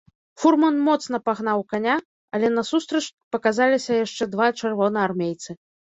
Фурман моцна пагнаў каня, але насустрач паказаліся яшчэ два чырвонаармейцы.